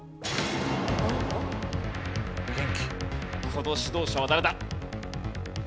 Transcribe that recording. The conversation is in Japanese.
この指導者は誰だ？